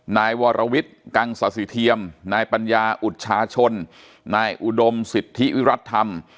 นายวรวิทย์กังศาสิเทียมนายปัญญาอุชาชนนายอุดมสิทธิวิรัติธรรม